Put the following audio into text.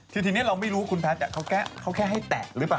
คือทีนี้เราไม่รู้ว่าคุณพัดพี่แก้เขาแค่ให้แตะหรือเปล่า